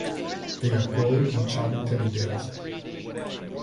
They are gold and chubby teddy bears.